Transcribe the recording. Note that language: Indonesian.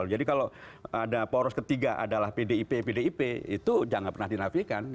jadi kalau ada poros ketiga adalah pdip pdip itu jangan pernah dinafikan